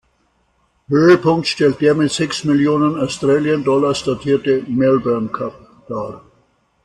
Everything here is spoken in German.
Höhepunkt stellt der mit sechs Millionen A$ dotierte Melbourne Cup dar.